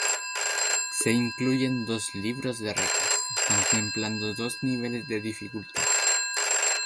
Se incluyen dos libros de reglas, contemplando dos niveles de dificultad.